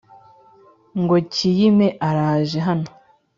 ngo kiyime araje hano